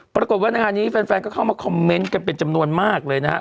ปรากฏว่าในงานนี้แฟนก็เข้ามาคอมเมนต์กันเป็นจำนวนมากเลยนะฮะ